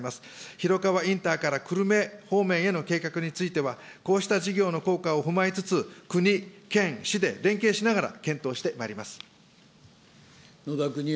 広川インターから久留米方面への計画については、こうした事業の効果を踏まえつつ、国、県、市で連携しながら検討してまいります。